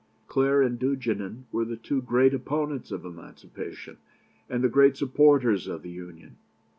Clare and Duigenan were the two great opponents of emancipation, and the great supporters of the Union.